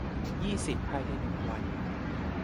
ยี่สิบ ภายใน หนึ่ง วัน